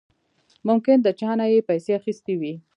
ممکن د چانه يې پيسې اخېستې وي.